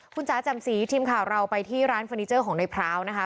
คุณจ๋าแจ่มสีทีมข่าวเราไปที่ร้านเฟอร์นิเจอร์ของในพร้าวนะคะ